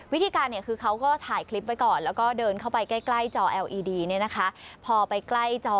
วิธีการเนี่ยคือเขาก็ถ่ายคลิปไปก่อนแล้วก็เดินเข้าไปใกล้